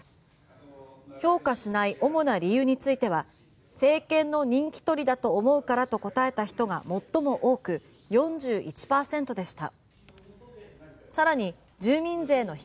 評価しない主な理由については政権の人気取りだと思うからと答えた人が最も多く４１％でした。